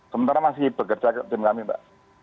sementara masih bekerja tim kami mbak